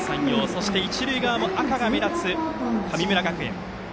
そして、一塁側も赤が目立つ神村学園。